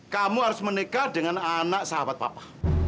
kamu harus menikah dengan anak sahabat papa